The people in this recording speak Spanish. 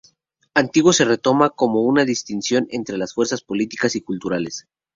Antiguos se retoma como una distinción entre las fuerzas políticas y culturales.